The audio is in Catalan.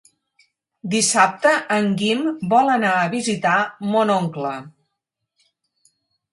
Dissabte en Guim vol anar a visitar mon oncle.